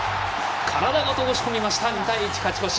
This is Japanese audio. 体ごと押し込みました。